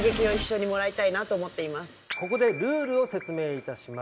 ここでルールを説明致します。